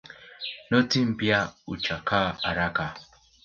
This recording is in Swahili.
Noti mpya huchakaa haraka